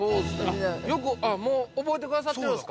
◆もう覚えてくださってるんですか。